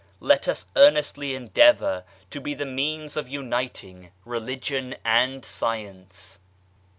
Let us earnestly endeavour to be the means of uniting Religion and Science.